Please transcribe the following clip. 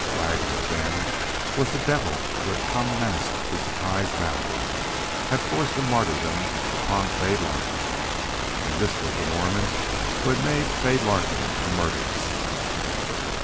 Waggoner, then, was the devil who had come masked to Surprise Valley, had forced a martyrdom upon Fay Larkin. And this was the Mormon who had made Fay Larkin a murderess.